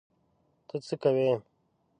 ته څه کوې؟